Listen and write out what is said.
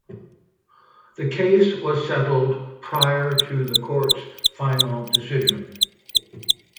The case was settled prior to the court's final decision.